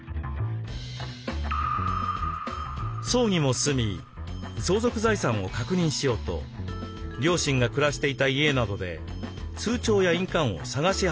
葬儀も済み相続財産を確認しようと両親が暮らしていた家などで通帳や印鑑を探し始めた森永さん。